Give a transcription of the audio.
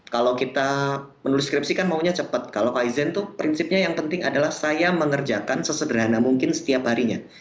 kalau kita menulis kripsi kan maunya cepat kalau kizen itu prinsipnya yang penting adalah saya mengerjakan sesederhana mungkin setiap harinya